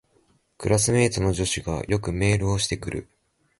クラスメイトの女子がよくメールをしてくる